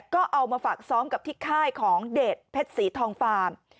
ก็เอามาฝากซ้อมกับที่ค่ายของเดชเพชรศรีทองฟาร์ม